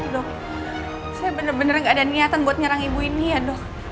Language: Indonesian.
dok saya bener bener nggak ada niatan buat nyerang ibu ini ya dok